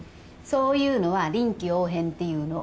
そういうのは臨機応変っていうの。